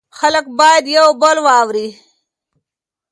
خلک باید یو بل واوري.